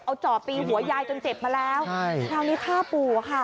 เอาจ่อตีหัวยายจนเจ็บมาแล้วคราวนี้ฆ่าปู่อะค่ะ